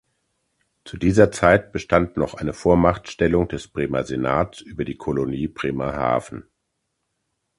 Zu dieser Zeit bestand noch eine Vormachtstellung des Bremer Senats über die „Colonie“ Bremerhaven.